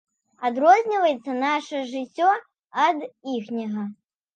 Адрозніваецца наша жыццё ад іхняга.